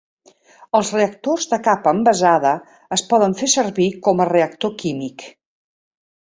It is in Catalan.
Els "reactors de capa envasada" es poden fer servir com a reactor químic.